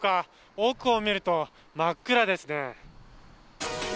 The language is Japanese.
奥を見ると、真っ暗ですね。